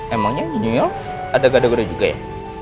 emangnya new york ada gada gada juga ya